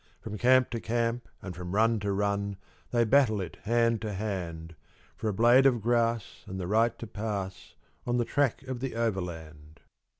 From camp to camp and from run to run they battle it hand to hand, For a blade of grass and the right to pass on the track of the Overland.